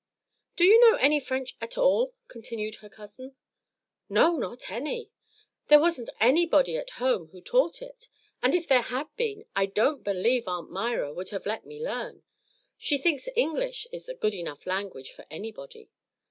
"Do you know any French at all?" continued her cousin. "No, not any. There wasn't anybody at home who taught it; and if there had been, I don't believe Aunt Myra would have let me learn. She thinks English is a good enough language for anybody.